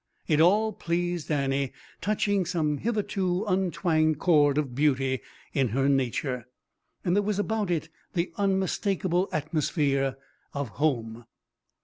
It all pleased Annie, touching some hitherto untwanged chord of beauty in her nature. And there was about it the unmistakable atmosphere of home.